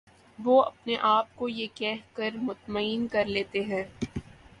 وہ اپنے آپ کو یہ کہہ کر مطمئن کر لیتے ہیں